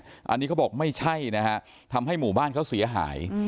อันนี้เขาบอกไม่ใช่นะฮะทำให้หมู่บ้านเขาเสียหาย